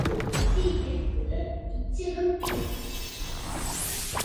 எச்சில் இலைக்கு இச்சகம் பேசுகிறது.